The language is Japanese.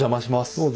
どうぞ。